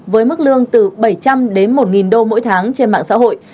với mức lương từ bảy trăm linh đến một đô mỗi tháng trên mạng xã hội